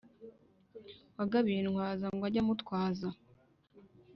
Wagabiwe itwaza ngo ujye umutwaza